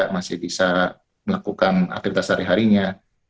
masih bisa melakukan aktivitas sehari harinya